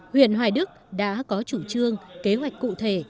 huyện hoài đức đã có chủ trương kế hoạch cụ thể